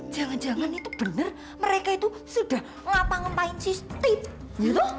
jangan jangan itu bener mereka itu sudah ngapa ngapain si steve